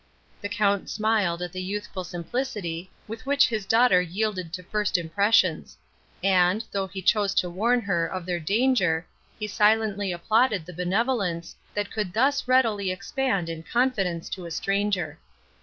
The Count smiled at the youthful simplicity, with which his daughter yielded to first impressions; and, though he chose to warn her of their danger, he silently applauded the benevolence, that could thus readily expand in confidence to a stranger.